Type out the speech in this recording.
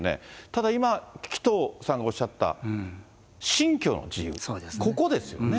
ただ、今、紀藤さんがおっしゃった信教の自由、ここですよね。